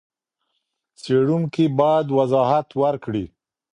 څېړونکی بايد وضاحت ورکړي.